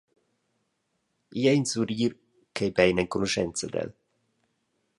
Igl ei in surrir ch’ei bein enconuschents ad el.